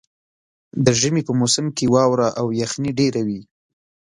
د ژمي په موسم کې واوره او یخني ډېره وي.